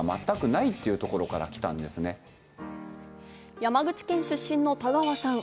山口県出身の田川さん。